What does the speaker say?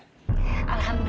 jadi sudah dilakukan bu ambar